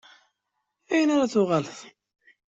Ayen ara tuɣaleḍ?